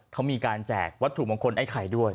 เขามีการแจกวัตถุมงคลไอ้ไข่ด้วย